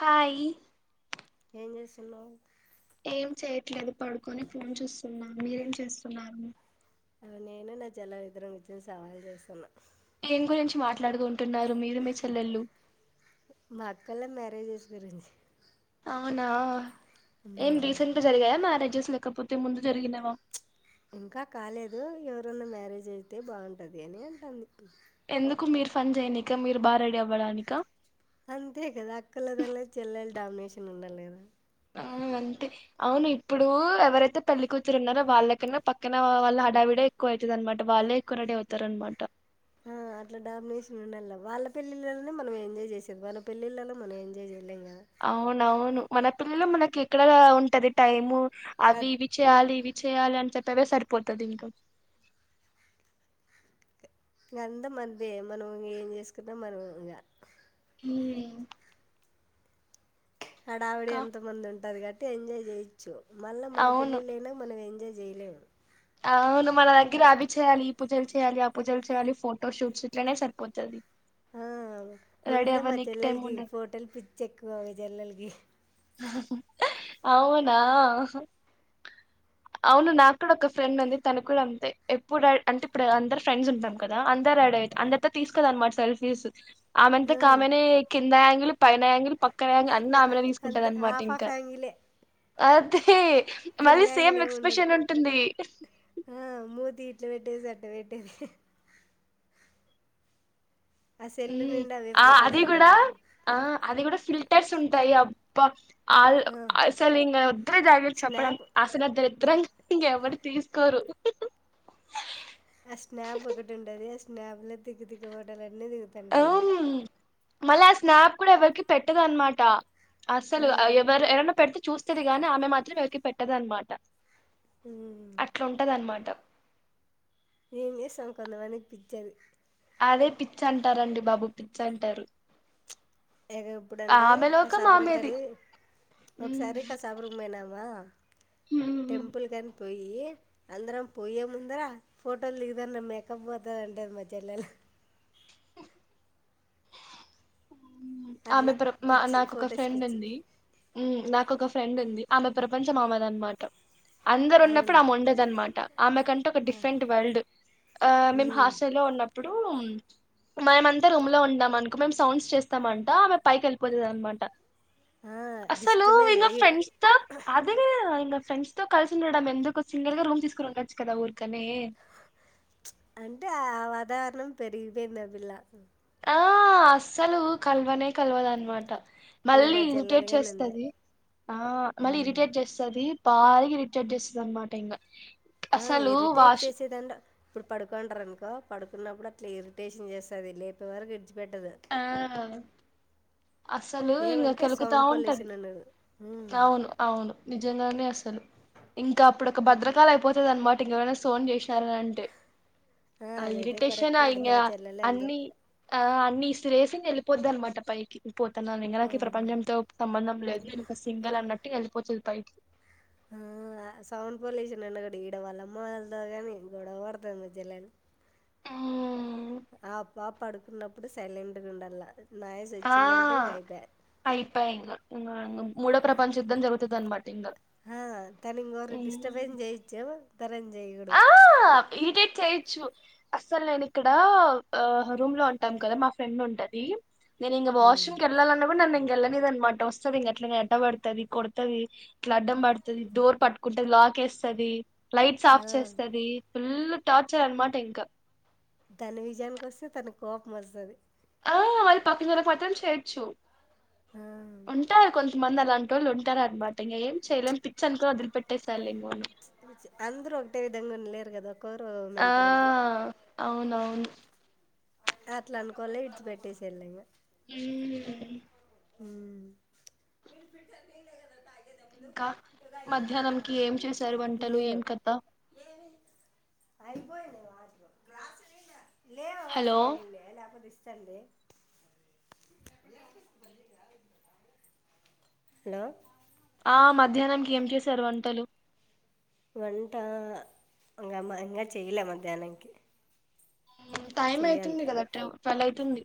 Hi ఏం చేస్తున్నావు ఏం చేయట్లేదు పడుకొని ఫోన్ చూస్తున్నా మీరేం చేస్తున్నారు అ నేను నా చెల్లాయ్ ఇద్దరం కూర్చొని సవాల్ చేస్తున్నమ్ ఏం గురించి మాట్లాడుకుంటున్నారు మీరు మీ చెల్లెళ్ళు మా అక్కల మ్యారేజెస్ గురించి అవునా ఏం రిసెంట్ జరిగాయా మ్యారేజెస్ లేకపోత అయితే ముందు జరిగినవా ఇంకా కాలేదు ఎవరన్నా మ్యారేజ్ అయితే బాగుంటది అని అంటంది ఎందుకు మీరు ఫన్ చేయనిక మీరు బా రెడీ అవ్వడానిక అంతే కదా అక్కలదల్ల చెల్లెలు డామినేషన్ ఉండాలె కదా అవును అంతే అవును ఇప్పుడు ఎవరైతే పెళ్ళి కూతురు ఉన్నారో వాళ్ళకన్నా పక్కన వాళ్ళ హడావిడే ఎక్కువ అవుతది అన్నమాట వాళ్ళే ఎక్కువ రడీ అవుతారనమాట ఆ అట్లా డామినేషన్ ఉండల్ల వాళ్ళ పెళ్లిలోనే మనం ఎంజాయ్ చేసేది మన పెళ్లిళ్లలో మనం ఎంజాయ్ చేయలేం కదా అవునవును మన పెళ్లిలో మనకి ఎక్కడ ఉంటది టైము అవి కాదు ఇవి చేయాలి ఇవి చేయాలి అని చెప్పవే సరిపోతది ఇంకా ఇంక అంత మనదే మనం ఇ ఏం చేసుకున్నా మనదె ఇంక మ్మ్ హడావిడి ఎంత మంది ఉంటది గట్ అటి ఎంజాయ్ చేయిచ్చు మళ్ళ మన అవును పెళ్ళిళ్ళు అయినంక మనం ఎంజాయ్ జెయిలేం అవును మన దగ్గర అవి చేయాలి ఈ పూజలు చేయాలి ఆ పూజలు చేయాలి ఫోటో షూట్స్ ఇట్లనే సరిపోతది ఆ రెడీ ముందే మా అవ్వనీకి టైం చెల్లెలకి ఉండదు ఫోటలు పిచ్చి ఎక్కువవి చెల్లలకి అవునా అవును నాకు కూడా ఒక ఫ్రెండ్ ఉంది తన కూడా అంతే ఎప్పుడు అంటే ఇప్పుడు అందరు ఫ్రెండ్స్ ఉంటాం కదా అందరు రెడి అయితారు అందరితో తీసుకోదు అన్నమాట సెల్ఫీస్ ఆమెంత ఆ, కామెనే కీ కింద యాంగిల్ పైన యాంగిల్ పక్ క్క అన్ని ఇంకా ఆమెనె తీసు అంతే ఉంటదన్నమాట హాఫ్ ఆఫ్ ఇంకా యాంగిలే ఆ హి హ్హి మళ్ళీ ఫుల్ సేమ్ యాంగిల్ ఏమి ఉండదు ఎక్స్ప్రెషన్ ఉంటుంది తీట్ల పెట్టేది అట్ట పెట్టేది ఆ సెల్ మ్మ్ నిండా అవే ఆ ఫొటోస్ అది కూడా ఉండేవి ఆ అది కూడా ఫిల్ టర్స్ ఉంటాయి అబ్బా ఆల్ ఆ, అసలు ఇంగ వద్దులే దాని గురించి చెప్పడం స్నాప్ అసలు ఆ దరిద్రాన్ని చూసి ఇంక ఎవరి తీసుకోరు ఆ స్నాప్ ఒకటి ఉంటది స్నాప్ల తిక్క తిక్క ఫోటోలన్నీ దిగుతాంటా దిక హ్మ్ మళ్ళీ ఆ స్నాప్ కూడా ఎవరికి పెట్టదు అనమాట అసలు ఆ ఎవరు ఏవన్నా పెడుతే చూస్తది గాని ఆమె మాత్రం ఎవరికి పెట్టదనమాట ఉమ్. అట్లుంటదనమాట ఏం చేస్తాం కొంతమందికి పిచ్చది అదే పిచ్చ అంటారండి బాబు పిచ్చంటారు ఇక ఇప్పుడండి కసాపురం కరి హ్మ్ ఒకసారి కసాపురం పోయినామా హ్మ్. హ్మ్. టెంపుల్ కని పోయి య్యి అందరం పోయే ముందర ఫోటోలు దిగుదాం ర మేకప్ పోతాది అంటది మా చెల్లెలు ఆమె అట్లా ప్రొ మా పిచ్చి నాకొక ఫొటోస్ ఫ్రెండ్ పిచ్చి ఉంది ఉమ్ నాకొక ఫ్రెండ్ ఉంది ఆమె ప్రపంచం ఆమెదనమాట అందరు ఉన్నప్పుడు అవును ఆమె ఉండదనమాట ఆమె కంటే ఒక డిఫరెంట్ వరల్డ్ ఆ మేము హాస్టల్లో ఉన్నప్పుడు రూమ్ మేమంతా రూమ్ లో ఉందామనుకో మేం సౌండ్స్ చేస్ తమంట ఆమె పైకెళ్ పోతుదనమాట అసలు డిస్టర్బెన్స్ ఇంగ ఈడ ఫ్రెండ్స్ తో ఫ్రెండ్స్ తో కలిసి ఉండడం ఎందుకు సింగిల్ గా రూమ్ తీసుకొని ఉండొచ్చు కదా ఊరికనే అంటే ఆ వాతావరణం పెరిగిపోయింది ఆ పిల్ల ఆ అస్సలు కల్వనే కల్వదన్నమాట ఈడ మళ్ళీ మా ఇరిటేట్ చెల్లెలుగాని అంతే చేస్తది ఆ మళ్ళీ ఇరిటేట్ చేస్తాది బాగా ఇరిటేట్ చేస్తదనమాట ఇంక ఆ ఇరిటేట్ చేసేదేం లా ఇప్పుడు పడుకోవుంటారనుకో పడుకున్నప్పుడు అట్లా ఇరిటేషన్ చేస్తది లేపే వరకు విడిచిపెట్టదు ఆ అసలు ఇంక ఏమంటే కెలుగుతా సౌండ్ ఉంటది పొల్యూషన్ అన్నారు ఉమ్. అవును అవును నిజంగానే అసలు ఇంకా అప్పుడు ఒక భద్రకాళి అయిపోతాదనమాట ఇంకెరనా ఫోన్ చేసినారనంటే ఆ అదేదే కరెక్ట్ ఈడు మా చెల్లెలు అంతే అన్ని ఆ అన్నీస్ సిరేసిన్ వెళ్ళపోద్దన్నమాట పైకి పోతున్నాను ఇ నాకి ప్రపంచంతో సంబంధం లేదు నేను ఒక సింగల్ అన్నట్ ఇట్టి కలిసిపోతది బయిటికి ఆ సౌండ్ పొల్యూషన్ అన్న కూడా ఈడ వాళ్ళమ్మోల్దా గాని గొడవ పడతది మా చెల్లెలు ఆ ఆ పాప్ పడు ఉన్నప్పుడు సైలెంట్ గుండాల ఆ అయిపాయింక ఇంగ అంగం మ్ మూడో ప్రపంచ యుద్ధం జరుగుతది అన్నమాట ఇంక ఆ, త్తరంజయడు ఈడేట్ చేయొచ్చు అస్సలు నేను ఇక్కడ ఆ రూమ్ లో ఉంటాం కదా మా ఫ్రెండ్ ఉంటది నేను ఇంగ వాష్ రూమ్ ఉమ్. కెళ్ళాల అన్న కూడా నన్ వెళ్ళలేద అనమాట వస్తుంది ఇంక అట్లా అడ్డ పడతది కొడతది ఇట్లా అడ్డం పడతది డోర్ పట్టుకుంటది లాక్ వేస్తది లైట్స్ ఆఫ్ ఆ. చేస్తది ఫుల్ టార్చర్ అనమాట ఇంకా దాని విజయానికి వస్తే తన కోపం వస్తది అరి పక్కకిర పాత్రం చేయడ్చు ఆ ఉంటారు కొం మంది అలాంటి వాళ్ళు ఉంటార అనమాట ఇంక ఏం చేయలేం పిచ్చ అనుకో వదిలి పెట్టే సాలె అందరూ ఒకటే విధంగా ఉండలేరు కదా ఒకోరు మెంటాలిటీ అవును [unintelligible] అట్లా అనుకోలే ఇడ్చి పెట్టే సె ల్యారు హ్మ్ హ్మ్ ఇంకా మధ్యాహ్నంకి ఏం చేశారు వంటలు ఏం కథ అయిపోయ [unintelligible] లేవబా హలో అసలు న లే లేకపోతిస్తి సండే హలో ఆ మధ్యాహ్నంకి ఏం చేశారు వంటలు వంట ఇంగమ్మా ఇం చెయలే మధ్యాహ్నాంకి మ్ టైమ్ అయితుందిడి కదా టు ట్వల్ అయితుంది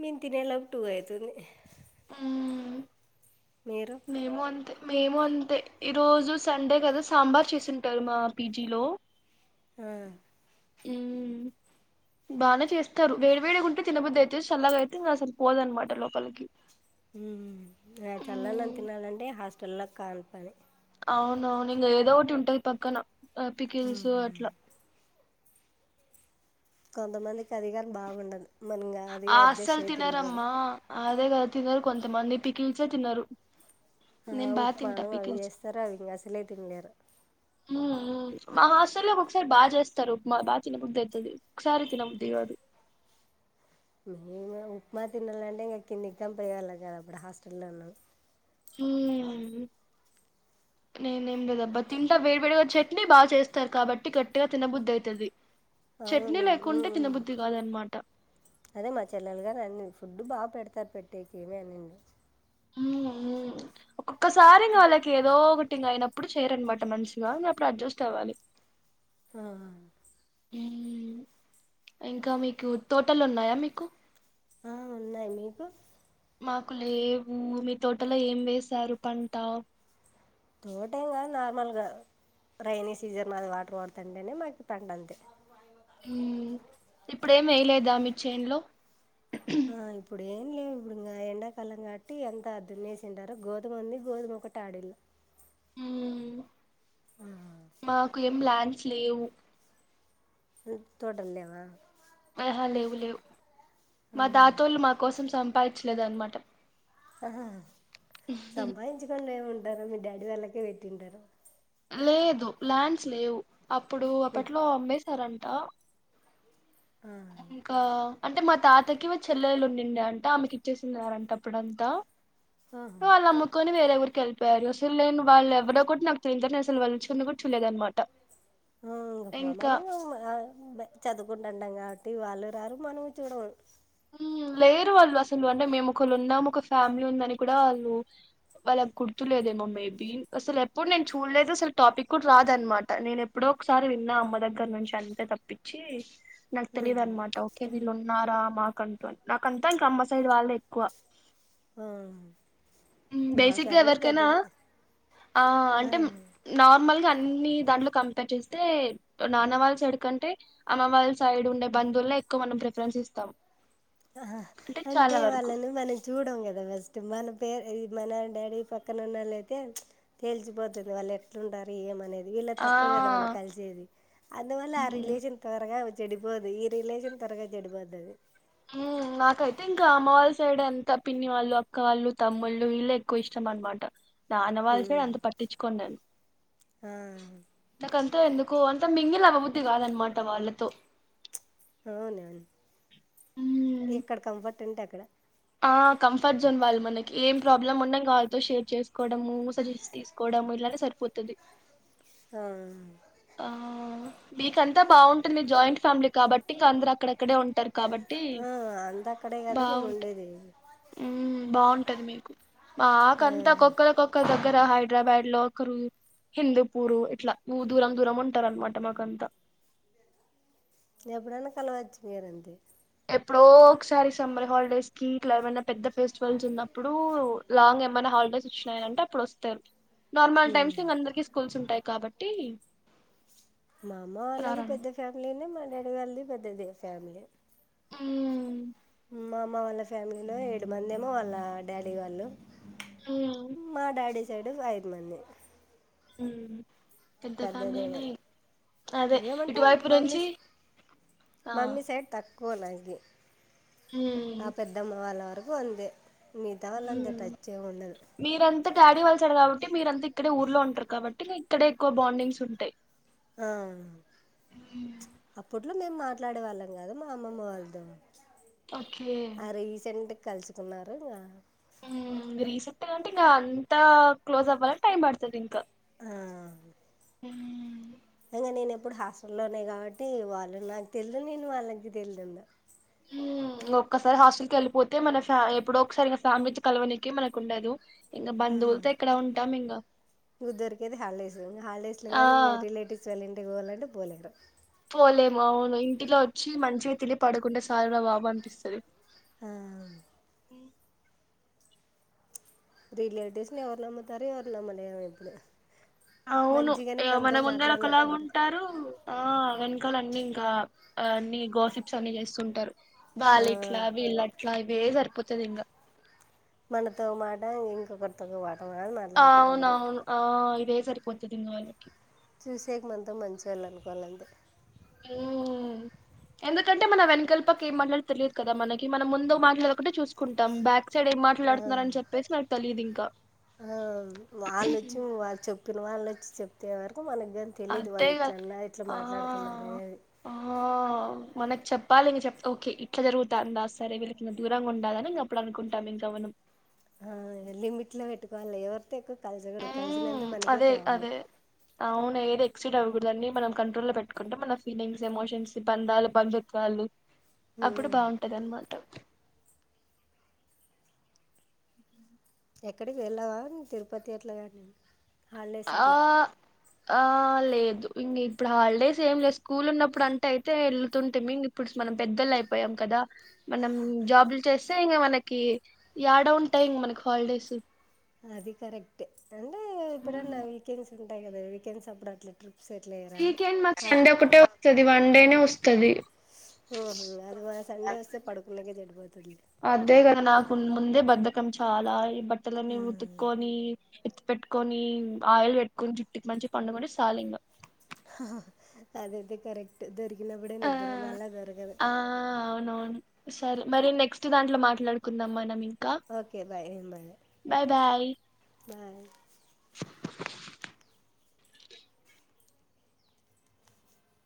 మేం తినేలోపు టు అవుతుంది హ్మ్ మీరు మేము అంతే మేము అంతే ఈరోజు సండే కదా సాంబార్ చేసింటారు మా పీజీలో ఆ ఉ బానే చేస్తారు వేడి వేడిగా ఉంటే తినబద్దు అయితే చల్లగా అయితే అసలు పోదనమాట లోపలికి హ్మ్ ఆ చల్లాలంత్ తినాలంటే హాస్ వల్ల కాన్ పని అవును అవునింగ ఏదోటి ఉంటది పక్కన ఆ పపికిల్సు అట్లా కొంతమందికి అదిగారు బాగుండదు మనగా అది అడ్జస్ట్ అస్సలు అయ్యి తిండి గోల తినరమ్మా అదే కదా తిన్నారు కొంతమంది పిక్ల్సే తినరు నేను ఆ బా ఉప్మా తింటా అను అవి పికిల్స్ చేస్తరు, అవి ఇంక అసలే తినలేరు. హూ ఊ మా హాస్టల్లో ఒక్కోక్కసారి బా చేస్తారు ఉప్మా బా తినబుద్ది అయితది ఒకసారి తినబుద్ది గాదు. మేం ఇగ ఉప్మా తినాలంటే ఇంకా కింది [unintelligible] కదా అప్పుడు హాస్టల్ల్లో ఉన్నాం. నేనేం లేదబ్బా తింటా వేడి వేడిగా చట్నీ బా చేస్తారు కాబట్టి గట్టిగా తినబుద్ది అయితది. చట్నీ అవును ఊ లేకుంటే తినబుద్ది కాదనమాట అదే మా చెల్లెలు గారు అన్ని ఫుడ్ బా పెడ్ [unintelligible] ఊ ఊ ఒకసారి ఇంగ వాళ్ళకి ఏదో ఒకటి ఇంగ అయన ప్పుడు చేయరనమాట మంచిగా ఇంగ అప్పుడు అడ్జస్ట్ అవ్వాలి. ఆ హ్మ్ ఇంకా మీకు తోటలున్నాయా మీకు? ఆ ఉన్నాయి, మీకు? మాకు లేవు, మీ తోటలో ఏం వేశారు పంట? తోట ఏం కాదు నార్మల్గా రైైనీ సీజన్ మాది, వాటర్ పడుతుంటేనే మాకు పంట అంతే. హ్మ్ ఇప్పుడేమి వేయలేదా మీ చేన్లో. ఆ ఇప్పుడే లేవు ఇప్పుడు ఇంగ ఎండాకాలం కాబట్టి అంత దున్నేసింటారు, గోధుమ ఉంది గోధుమ ఒకటి ఆడిల్ల. హ్మ్ ఆ మాకు ఏం లాన్ డ్స్ లేవు తో తోటల్లేవ? ఆహా లేవు లేవు. ఆ మా తాతోళ్ళు మా కోసం చం పాయిచ్చలేదనమాట ఆ సంపాయించకుండా ఏముం డరు మీ డాడీ వాళ్ళకే పెట్టింటారు. లేదు ల్యాండ్స్ లేవు అప్పుడు ఉమ్, అప్పట్లో అమ్మేస్ సరంట ఆ ఇంకా అంటే మా తాతకి చెల్లెళ్లు ఉండడి అంట ఆమెకి ఇచ్చేసినారంట అప్పుడంతా ఆహా వాళ్ళు అమ్ముకుని వేరే ఊరి వెళ్ళిపోయారు అసలు నేను వాళ్ళ ఎవ్వడో కూడా నాకు అసలు వాళ్ళను చూడను కూడా చూలేదుదనమాట ఆ ఇం హ మనము ఆ బ చదూకుంటాంటాంగా తి వాళ్ళు రారు మనము చూడం హ్మ్ లేరు వాళ్ళు అసలు అంటే మేము ఒకళ్ళు ఉన్నాము ఒక ఫ్యామిలీ ఉందని కూడా వాళ్ళు, వాళ్ళకి గుర్తులేదేమో మేబీ అసలు ఎప్పుడు నేను చూడలేదు అసలు టాపిక్ కూడా రాదనమాట నేను ఎప్పుడో ఒకసారి విన్నా అమ్మ దగ్గర నుంచి అంతే తప్పిచ్చి. నాక్ ఉమ్, తెలిదనమాట ఓకే వీళ్ళున్నారా? కంట్రోల్ నాకంతా ఇంకా అమ్మ సైడ్ వాళ్ళే ఎక్కువ. ఆ మా బేసిగ్గా ఫ్యామిలీ ఎవరికైనా పెద్దది ఆ అంటే నార్మల్గా అన్ని దాంట్లో కంపేర్ చేస్తే నాన్న వాళ్ళ సైడ్ కంటే అమ్మ వాళ్ళ సైడ్ ఉండే బంధువుల్నే ఎక్కువ మనం ప్రిఫరెన్స్ ఇస్తాం. ఆహ అంటే చాలా వరకు వాళ్ళని మనం చూడం కదా ఫస్ట్ మన పేర్ ఇది మన డాడీ పక్కన ఉన్నోళ్ళయితే తేల్చిపోతది వాళ్ళు ఎట్లుంటారు ఏమనేది వీళ్ల ఆ తక్కువ కదా మనం కలిసేది అందువల్ల ఆ రిలేేషన్ త్వరగా చెడిపోదు ఈ రిలేషన్ త్వరగా చెడిపోతది నాకైతే ఇంకా అమ్మ వాళ్ళ సైడ్ అంత పిన్నివాళ్ళు అక్కవాళ్ళు తమ్ముళ్ళు వీళ్ళే ఎక్కువ ఇష్టం అన్నమాట నాన్న వల్ల సైడ్ హ్మ్. అంత పట్టించుకోను నేను ఆ! అంత ఎందుకు అంత మింగిల్ అవ్వబుద్ధి కాదన్న మాట వాళ్ళతో అవునా ఉమ్ ఎక్కడ కంఫర్ట్ ఉంటే అక్కడ ఆ కంఫర్ట్ జోన్ వాళ్ళు మనకి ఏం ప్రాబ్లమ్ ఉన్న వాళ్ళతో షేర్ చేసుకోవడము సజెషన్ తీసుకోవడము ఇలానే సరిపోతుంది. ఆ ఆ మీకంతా బాగుంటుంది జాయింట్ ఫ్యామిలీ కాబట్టి ఇంకా అందరు అక్కడ అక్కడే ఉంటారు కాబట్టి ఆ! అంతా అక్కడే గదా బాగుంట మేముండేది. హు ఆ బాగుంటది మీకు మా ఆ! ఆకంతా ఒకక్కరికొక్కరు దగ్గర హై హైదరాబాద్ లో ఒకరు హిందూపూర్ ఇట్లా దూరం దూరం ఉంటారు అనమాట మాకు అంత ఎప్పుడయినా కలవచ్చు కదండి. ఎప్పుడో ఒకసారి సమ్మర్ హాలిడేస్ కి ట్లా ఏమన్న పెద్ద ఫెస్టివల్స్ ఉన్నప్పుడు లాంగ్ ఏమైనా హాలిడేస్ అంటే అప్పుడు వస్తారు నార్మల్ టైమ్స్ కి హ్మ్. ఇంకా అందరికి స్కూల్స్ ఉంటాయి కాబట్టి టీ మా అమ్మ వాళ్ళది పెద్ద ఫ్యామిలీనే మ డాడీ వాళ్ళది పెద్దదే ఫ్యామిలీ హు మా అమ్మ వాళ్ళ ఫ్యామిలీలో ఏడు మంది ఏమో వాళ్ళ డాడీ వాళ్ళు ఊ మా డాడీ సైడ్ ఐదు మంది ఉ పెద్ద పెద్దదేమో ఫ్యామిలీనే అదే ఏమంటే ఇటువైపు మమ్మీ నుంచి ఆ కొలాగే మ్మ్ ఆ పెద్దమ్మ వాళ్లు అరు వందే హు మీరంతా డాడీ వాళ్ళసైడ్ కాబట్టి అంటే మీరంతా ఇక్కడే ఊర్లో ఉంటారు కాబట్టి మీ ఇక్కడే ఎక్కువ బొండింగ్స్ ఉంటాయి ఆ అప్పుట్లో మేము మాట్లాడే వాళ్ళం కదా మా అమ్మ వాళ్ళతోని ఓకే కలుసుకున్నారు ఆ ఊ రీసెంట్గా అంటే ఇంగ అంతా క్లోజ అవలంటే టైమ్ పడతది ఇంకా ఆ ఊ ఇంకా నేను ఎప్పుడు హాస్ట లోనే కాబట్టి వాళ్ళు నాకు తెలిదు నేను వాళ్ళకి తెలిదుందా ఊ ఒక్కసారి హాస్టల్ కి ఎలిపోతే మన ఫ ఎప్పుడ ఒకసారి ఫ్యామిలీ కలవనీకి మనకు ఉండదు ఇంకా ఊ బంధువులతో ఎక్కడ ఉంటాం ఇంకా ఉ దొరికేది హాలిడేస్ ఇంకా హాలిడేస్ ల ఆ గాని రిలేటివ్స్ వళ్ళ ఇం టికీ వోవాలంటే బోలేరు పోలేము అవును ఇంటిలో వచ్చి మంచిగా తిలి పడుకుంటే సాల్ రా బాబు అనిపిస్తది ఆ ఉమ్ రిలేటివ్స్ని ఎవరు నమ్ముతారు ఎవరు నమ్మలేరు ఎప్పుడు అవును ఇగ మన ముంద ఒకలాగా ఉంటారు ఆ అవ కాల అన్ని ఇంకా అన్ని గోసిప్స్ అన్ని చేస్తుంటారు ఆ! వాలిట్లా వీళ్ళట్లా వే సరిపోత ఇంకా మనతో మాట ఇంకొకరితో ఓ మాట అని మాట్లాడతారు అంతే అవునవును ఆ ఇదే సరిపోతదింగ వాళ్ళకి చూసేకు మన్ తో మంచోళ్ళు అనుకోవాలింతే ఊ ఎందుకంటే మన వెనకల్పాకి ఏం మాట్లాడ తెలియదు కదా మనకి మనం ముందు మాట్లాడ ఒకటే చూసుకుంటాం బ్యాక్ సడ ఏం మాట్లాడుతున్నారు అని చెప్పేసి నాకు తెలీయదు ఇం క ఆ వాళ్ళొచ్చి వాళ్ళు చెప్పిన వాళ్ళొచ్ చెప్తేవారు మనకు కాని తెలియదు అదే వాళ్ళు కదా ఇట్లన్నా ఇట్లా ఆ మాట్లాడుతున్నారే ఆ మనకు చెప్పాలి ఇంక చెప్ ఓకే ఇట్లా జరుగుతా అంద సరే వీళ్ళకిింద దూరంగా ఉండాలని ఇంక అప్పుడు అనుకుంటాం ఇంకా మనం ఆ లిమిట్ లో పెట్టుకోవాల ఎవరితే ఎకు అదే అదే అవును ఏదె ఎగ్జిట్ అవ్వకూడదండి. మనం కంట్రోల్లో పెట్టుకుంటే మన ఫీలింగ్స్, ఎమోషన్స్, బంధాలు, బంధుత్వాలు. అప్పుడు బాగుంటది అన్నమాట ఎక్కడికి వెళ్ళావా నువ్ తిరుపతి అట్లా కానీ హాలిడేస్ ఆ అట్లా ఆ లేద్ ఇంగ ఇప్పుడు హాలిడేస్ ఏం లే, స్కూల్ ఉన్నప్పుడు అంటే అయితే వెళ్తుంటిమి. ఇంగ ఇప్పుడు మనం పెద్దలు అయిపోయాం కదా! మనం జాబ్లు చేస్తే ఇంగ మనకి యాడ ఉంటాయి ఇంగ మనకి హాలిడేస్? అది కరెక్టే. రండి. ఎప్పుడన్న, వీకెండ్స్. మీకు ఉంటాయి కదా వీకెండ్స్, సప్పుడు అట్లా ట్రా. సెటిల్ అయ్యారా? వీకెండ్ మాకు ఆక్ సండే ఒకటే వస్తది వన్ డేనే వస్తది ఉహు, ఆదివా సండే వస్తే పడుకునేకి చెడిపో. అద్దే గదా నాకు. మున్ ముందే బద్ధకం! చాలా ఇ. బట్టలన్నీ ఉతుక్కోని. పెట్టుకొని ఆయిల్ పెట్టుకొని జుట్టుకి, మంచిగా పండుకొంటే సాలింగా! హా హా హా, అదైతే కరెక్ట్. దొరి కినప్పుడే, ఆ నిద్ర మల్ల దొరకదు. ఆ అవునవును సరే మరి, నెక్స్ట్ దాంట్లో మాట్లాడుకుందాం మనం. ఇం ఓకే బాయ్, ఇంబయ బాయ్ బాయ్.